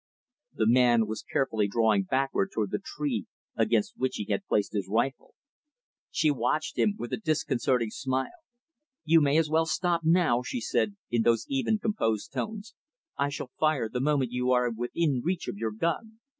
The man was carefully drawing backward toward the tree against which he had placed his rifle. She watched him, with a disconcerting smile. "You may as well stop now," she said, in those even, composed tones. "I shall fire, the moment you are within reach of your gun."